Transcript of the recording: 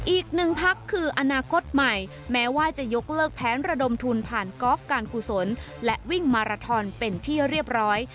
อีกหนึ่งพักคืออนาคตใหม่แม้ว่าจะยกเลิกแผนระดมทุนผ่านกอล์ฟการกุศลและวิ่งมาราทอนเป็นที่เรียบร้อย